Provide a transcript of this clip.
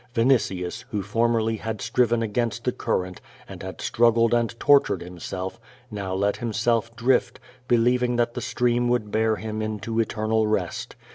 Vini tius, who formerly had striven against the current, and had struggled and tortured himself, now let himself drift, be lieving that the stream would bear him into eternal rest.